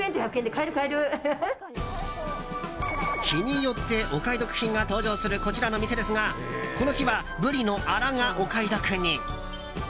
日によってお買い得品が登場するこちらの店ですがこの日はブリのあらがお買い得に。